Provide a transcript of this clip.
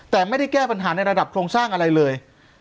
แต่ไม่ได้แก้ปัญหาในระดับโครงสร้างอะไรเลย